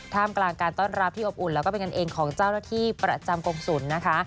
มกลางการต้อนรับที่อบอุ่นแล้วก็เป็นกันเองของเจ้าหน้าที่ประจำกรงศูนย์นะคะ